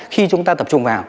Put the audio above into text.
khi chúng ta tập trung vào